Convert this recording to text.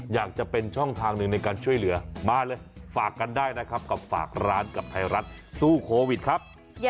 อยากจะเป็นช่องทางหนึ่งในการช่วยเหลือมาเลยฝากกันได้นะครับกับฝากร้านกับไทยรัฐสู้โควิดครับ